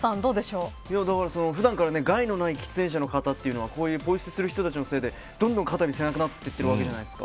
普段から害のない喫煙者の方というのはポイ捨てする人たちのせいでどんどん肩身が狭くなってるわけじゃないですか。